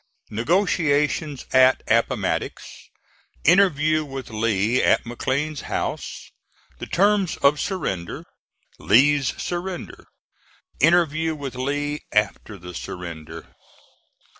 NEGOTIATIONS AT APPOMATTOX INTERVIEW WITH LEE AT MCLEAN'S HOUSE THE TERMS OF SURRENDER LEE'S SURRENDER INTERVIEW WITH LEE AFTER THE SURRENDER.